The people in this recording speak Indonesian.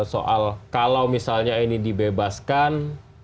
soal kalau misalnya ini dibebaskan